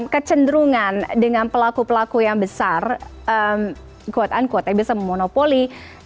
kecenderungan dengan pelaku pelaku yang besar quote unquote yang bisa memonopoli